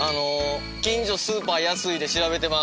「近所スーパー安い」で調べてます。